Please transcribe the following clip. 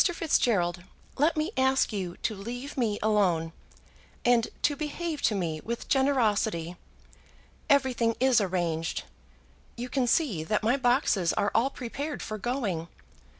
Fitzgerald, let me ask you to leave me alone, and to behave to me with generosity. Everything is arranged. You can see that my boxes are all prepared for going. Mr.